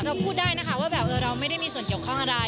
เราพูดได้นะคะว่าแบบเราไม่ได้มีส่วนเกี่ยวข้องอะไร